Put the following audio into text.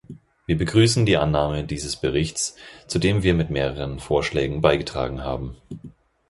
Wir begrüßen die Annahme dieses Berichts, zu dem wir mit mehreren Vorschläge beigetragen haben.